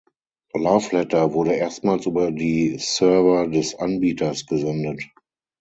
Loveletter wurde erstmals über die Server des Anbieters gesendet.